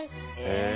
へえ。